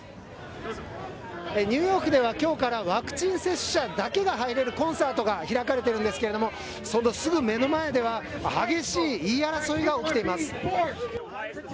ニューヨークではきょうからワクチン接種者だけが入れるコンサートが開かれているんですけれども、そのすぐ目の前では、激しい言い争いが起きています。